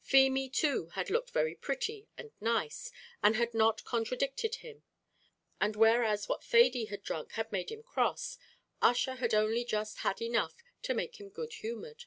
Feemy, too, had looked very pretty and nice, and had not contradicted him; and whereas what Thady had drunk had made him cross, Ussher had only just had enough to make him good humoured.